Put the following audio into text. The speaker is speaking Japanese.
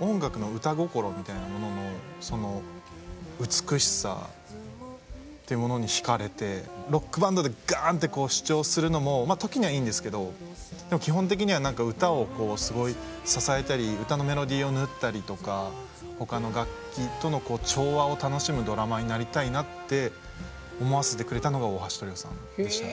音楽の歌心みたいなものの美しさっていうものに惹かれてロックバンドでガーンって主張するのも時にはいいんですけど基本的には何か歌を支えたり歌のメロディーを縫ったりとか他の楽器との調和を楽しむドラマーになりたいなって思わせてくれたのが大橋トリオさんでした。